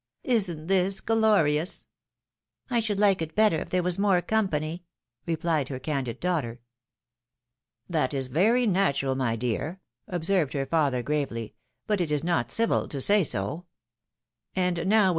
" Isn't this glorious? "" I should like it better if there was more company," replied her candid daughter. " That is very natural, my dear," observed her father, gravely :" but it is not civil to say so. And now we.